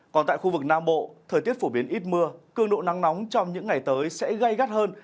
còn tại khu vực nam bộ thời tiết phổ biến ít mưa cường độ nắng nóng trong những ngày tới sẽ gây gắt hơn